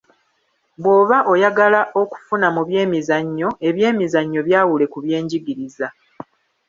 Bwoba oyagala okufuna mu byemizannyo, ebyemizannyo byawule ku byenjigiriza.